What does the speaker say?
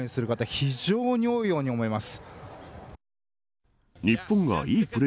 非常に多いように思います。